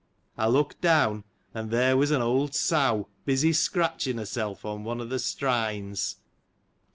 I looked down, and there was an old sow busy scratching herself on one of the strines.